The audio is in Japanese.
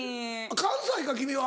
関西か君は。